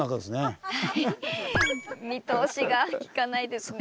見通しがきかないですね。